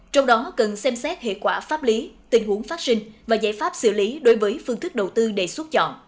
trong đó cần xem xét hệ quả pháp lý tình huống phát sinh và giải pháp xử lý đối với phương thức đầu tư đề xuất chọn